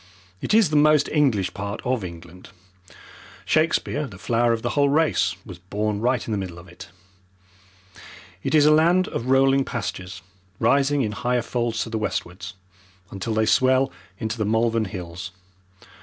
It is the most English part of England. Shakespeare, the flower of the whole race, was born right in the middle of it. It is a land of rolling pastures, rising in higher folds to the westwards, until they swell into the Malvern Hills.